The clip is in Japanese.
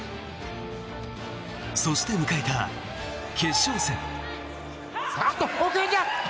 そして、迎えた決勝戦。